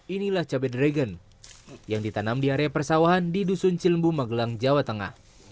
inilah cabai dragon yang ditanam di area persawahan di dusun cilembu magelang jawa tengah